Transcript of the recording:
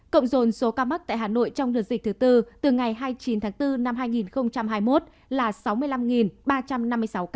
cộng dồn số ca mắc tại hà nội trong đợt dịch thứ tư từ ngày hai mươi chín tháng bốn năm hai nghìn hai mươi một là sáu mươi năm ba trăm năm mươi sáu ca